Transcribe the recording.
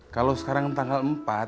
kalo sekarang tanggal empat